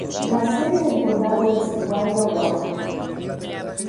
La sede del condado es Walla Walla.